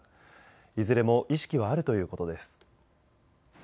いずれも意識はあるということです。